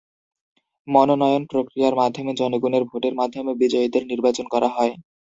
মনোনয়ন প্রক্রিয়ার মাধ্যমে জনগণের ভোটের মাধ্যমে বিজয়ীদের নির্বাচন করা হয়।